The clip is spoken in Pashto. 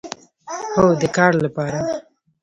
هو، د کار لپاره